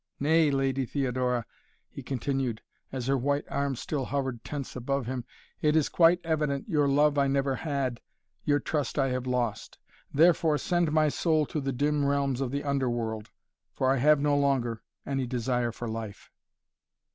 Nay Lady Theodora," he continued, as her white arm still hovered tense above him, "it is quite evident your love I never had, your trust I have lost! Therefore send my soul to the dim realms of the underworld, for I have no longer any desire for life."